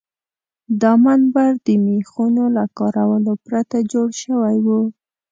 دا منبر د میخونو له کارولو پرته جوړ شوی و.